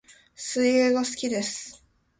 水泳が好きです